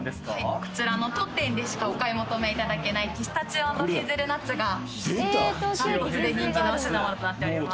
こちらの当店でしかお買い求めいただけないピスタチオ＆ヘーゼルナッツが断トツで人気のお品物となっております。